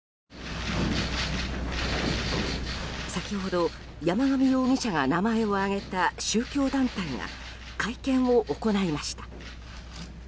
先ほど、山上容疑者が名前を挙げた宗教団体が会見を行いました。